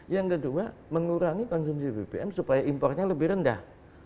yang kedua mengurangi konsumsi bbm supaya impornya lebih rendah